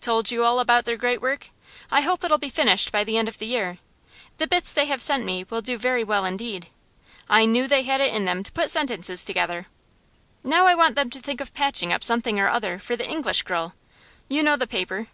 'Told you all about their great work? I hope it'll be finished by the end of the year. The bits they have sent me will do very well indeed. I knew they had it in them to put sentences together. Now I want them to think of patching up something or other for The English Girl; you know the paper?